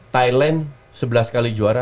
thailand sebelas kali juara